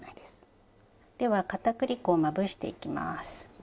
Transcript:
では片栗粉をまぶしていきます。